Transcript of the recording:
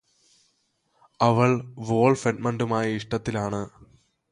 അവള് വോള്ഫ് എഡ്മണ്ടുമായി ഇഷ്ടത്തിലാണ്